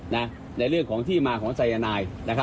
ในเรื่องของที่มาของสายนาย